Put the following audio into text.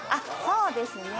そうですね。